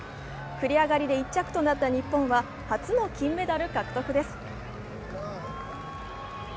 繰り上がりで１着となった日本は初の金メダル獲得です。